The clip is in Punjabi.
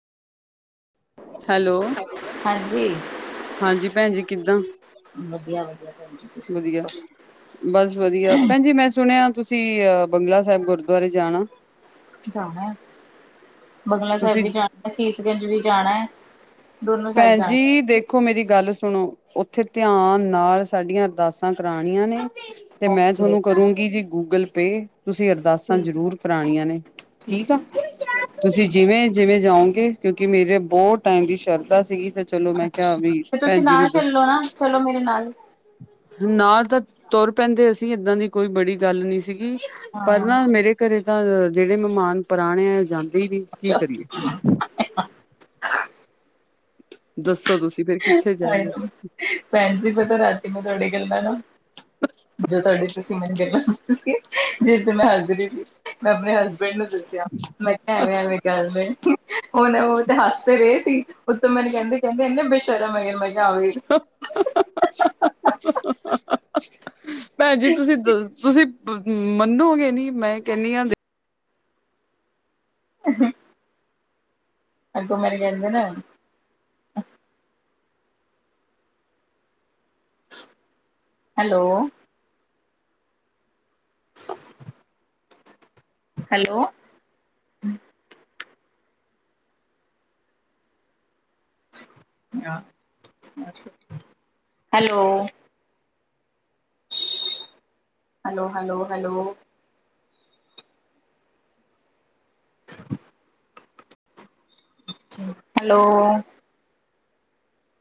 ਹੈਲੋ ਹਾਂਜੀ ਹਾਂਜੀ ਭੈਣ ਜੀ ਕਿੱਦਾਂ ਵਧੀਆ ਵਧੀਆ ਤੁਜੀ ਵਧੀਆ ਬਸ ਵਧੀਆ ਭੈਣ ਜ ਮੈਂ ਸੁਣਿਆ ਤੁਸੀਂ ਅ ਬੰਗਲਾ ਸਾਹਿਬ ਗੁਰਦੁਆਰੇ ਜਾਣਾ ਜਾਣਾ ਹੈ ਬਗਲਾ ਸਾਹਿਬ ਤੁਸੀਂ ਵੀ ਜਾਣਾ ਸੀਸਗੰਜ ਵੀ ਜਾਣਾ ਹੈ ਦੋਨੋ ਸਾਈਡ ਭੈਣ ਜਾਣਾ ਜੀ ਦੇਖ ਦੇਖੋ ਮੇਰੀ ਗੱਲ ਸੁਣੋ ਉੱਥੇ ਧਿਆਨ ਨਾਲ ਸਾਡੀਆਂ ਅਰਦਾਸਾਂ ਕਰਾਉਣੀਆਂ ਨੇ ਤੇ ਮੈਂ ਓਕੇ ਤੁਹਾਨੂੰ ਕਰੂੰਗੀ ਜੀ ਗੂਗਲ ਪੇ ਤੁਸੀਂ ਅਰਦਾਸਾਂ ਠੀਕ ਹੈ ਜ਼ਰੂਰ ਕਰਾਉਣੀਆਂ ਨੇ ਠੀਕ ਆ, ਤੁਸੀਂ ਜਿਵੇਂ-ਜਿਵੇਂ ਜਾਓਗੇ ਕਿਉਂਕਿ ਮੇਰੇ ਬੋਤ ਟਾਈਮ ਦੀ ਸ਼ਰਧਾ ਸੀਗੀ ਤੇ ਚਲੋ ਮੈਂ ਕਿਹਾ ਅੱਛਾ ਵੀ ਤੇ ਭੈਣ ਤੁਸੀਂ ਜੀ ਨਾ ਨੂੰ ਦੱਸ ਚੱਲੋ ਨਾ ਚਲੋ ਮੇਰੇ ਨਾਲ। ਨਾਲ ਤਾਂ ਤੁਰ ਪੈਂਦੇ ਅਸੀਂ, ਇਦਾਂ ਦੀ ਕੋਈ ਬੜੀ ਗੱਲ ਨੀ ਸੀਗੀ। ਪਰ ਹਾਂ ਨਾ ਮੇਰੇ ਘਰੇ ਤਾਂ ਜਿਹੜੇ ਮਹਿਮਾਨ ਪੁਰਾਣੇ ਆ ਉਹ ਜਾਂਦੇ ਈ ਨੀ, ਕੀ ਚ ਕਰੀਏ? ਦੱਸੋ ਤੁਸੀਂ ਫੇਰ ਕਿੱਥੇ ਜਾਈਏ ਅਸੀਂ? ਭੈਣ ਜੀ ਪਤਾ ਰਾਤੀ ਮੈਂ ਤੁਹਾੜੇ ਗੱਲਾਂ ਨੂੰ ਜੋ ਤੁਹਾਡੇ ਤੁਸੀਂ ਮੈਨੂੰ ਗੱਲਾਂ ਦੱਸੀ ਜਿਸ ਤੇ ਮੈਂ ਹੱਸਦ ਰੀ ਸੀ ਮੈਂ ਆਪਣੇ ਹਸਬੈਂਡ ਨੂੰ ਦੱਸਿਆ। ਮੈਂ ਕਿਆ ਐਵੇਂ-ਐਵੇਂ ਗੱਲ ਏ, ਹੁਣ ਉਹ ਤੇ ਹੱਸ ਤੇ ਰਏ ਸੀ ਉਤੋਂ ਮੈਨੂੰ ਕਹਿੰਦੇ ਕਹਿੰਦੇ ਇੰਨੇ ਬੇਸ਼ਰਮ ਹੈਗੇਨ ਬਾਈ। [inaudible] ਭੈਣ ਜੀ ਤੁਸੀਂ [unintelligible] ਤੁਸੀਂ ਮੰਨੋਗੇ ਨੀ ਮੈਂ ਕਹਨੀ ਆਂ [unintelligible] ਅੱਗੋਂ ਮੇਰੇ [unintelligible] hello. Hello. Hello. Hello, hello, hello. [inaudible] Hello.